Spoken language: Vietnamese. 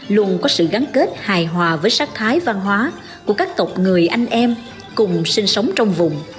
luôn có sự gắn kết hài hòa với sắc thái văn hóa của các tộc người anh em cùng sinh sống trong vùng